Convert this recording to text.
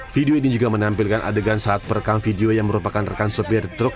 video ini juga menampilkan adegan saat perekam video yang merupakan rekan supir truk